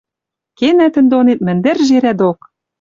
Кена тӹнь донет мӹндӹр жерӓ док!..